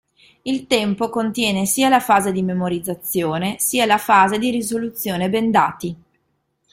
Il tempo contiene sia la fase di memorizzazione sia la fase di risoluzione bendati.